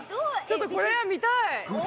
これは見たい！